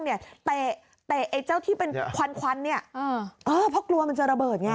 เตะไอ้เจ้าที่เป็นควันเพราะกลัวมันจะระเบิด